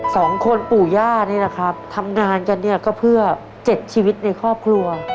สองคนปู่ย่านี่นะครับทำงานกันเนี่ยก็เพื่อเจ็ดชีวิตในครอบครัว